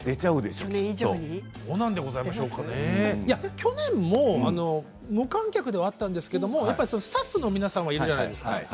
去年も無観客ではあったんですけどスタッフの皆さんはいるじゃないですか。